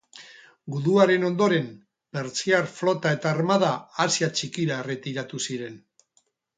Guduaren ondoren, persiar flota eta armada Asia Txikira erretiratu ziren.